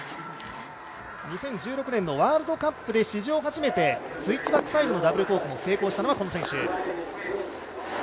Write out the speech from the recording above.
２０１６年のワールドカップで史上初めてスイッチバックサイドのダブルコークを成功させたのもこの選手。